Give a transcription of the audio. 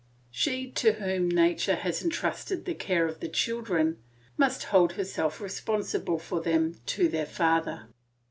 She to whom nature has entrusted the care of the children must hold herself responsible for them to their father.